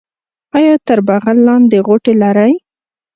ایا تر بغل لاندې غوټې لرئ؟